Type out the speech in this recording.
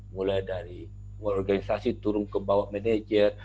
mulai dari organisasi turun ke bawah manajer